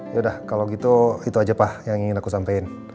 ya udah kalau gitu itu aja pak yang ingin aku sampein